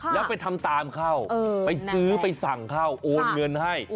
แล้วไปทำตามเข้าไปซื้อไปสั่งเข้าโอนเงินให้